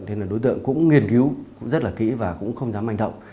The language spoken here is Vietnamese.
thế nên là đối tượng cũng nghiên cứu rất là kỹ và cũng không dám manh động